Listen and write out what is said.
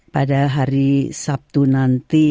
pada hari sabtu nanti